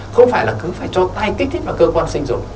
không phải là cứ phải cho tay kích thích vào cơ quan sinh dụng